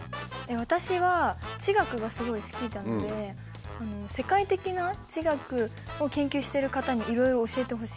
私は地学がすごい好きなので世界的な地学を研究している方にいろいろ教えてほしい。